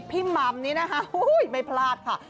มัมนี้นะคะไม่พลาดค่ะ